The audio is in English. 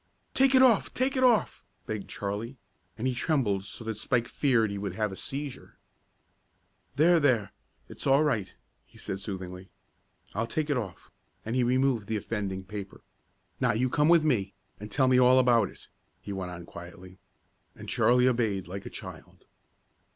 "Take it off! Take it off!" begged Charlie, and he trembled so that Spike feared he would have a seizure. "There there it's all right," he said soothingly. "I'll take it off," and he removed the offending paper. "Now you come with me, and tell me all about it," he went on quietly. And Charlie obeyed, like a child.